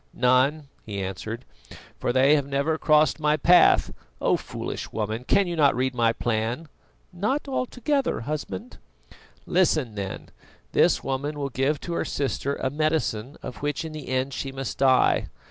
"None," he answered, "for they have never crossed my path. Oh, foolish woman! cannot you read my plan?" "Not altogether, Husband." "Listen then: this woman will give to her sister a medicine of which in the end she must die.